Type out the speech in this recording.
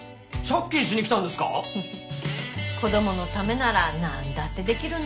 フフ子供のためなら何だってできるのね親は。